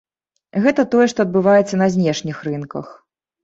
Гэта тое, што адбываецца на знешніх рынках.